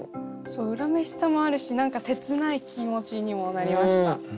恨めしさもあるし何か切ない気持ちにもなりました。